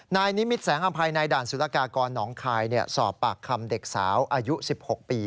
นายนิมิตแสงอำภัยในด่านสุรกากรหนองคายสอบปากคำเด็กสาวอายุ๑๖ปี